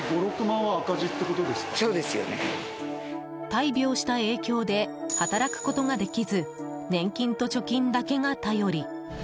大病した影響で働くことができず年金と貯金だけが頼り。